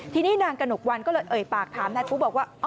ทีนี้นางกระหนกวันก็เลยเอ่ยปากถามนายปุ๊บอกว่า